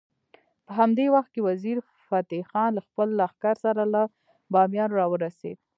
په همدې وخت کې وزیر فتح خان له خپل لښکر سره له بامیانو راورسېد.